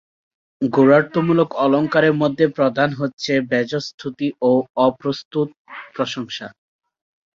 গূঢ়ার্থমূলক অলঙ্কারের মধ্যে প্রধান হচ্ছে ব্যাজস্ত্ততি ও অপ্রস্ত্ততপ্রশংসা।